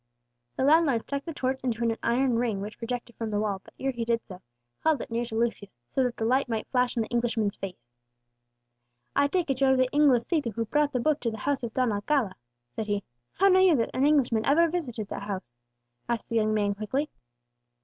The landlord stuck the torch into an iron ring which projected from the wall, but ere he did so, held it near to Lucius, so that the light might flash on the Englishman's face. "I take it you're the Inglesito who brought the Book to the house of Don Alcala," said he. "How know you that an Englishman ever visited that house?" asked the young man quickly.